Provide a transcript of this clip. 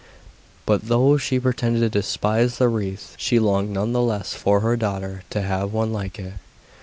But though she pretended to despise the wreath, she longed none the less for her daughter to have one like it.